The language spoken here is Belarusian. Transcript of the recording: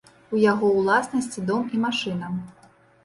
У яго ўласнасці дом і машына.